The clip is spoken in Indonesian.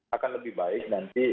akan lebih baik nanti